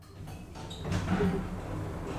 আমি বলছি যে, এমআইটিকে আমার মতো গাধামি করতে দেবেন না।